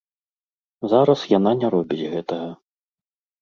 Зараз яна не робіць гэтага.